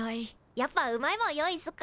やっぱうまいもん用意すっか？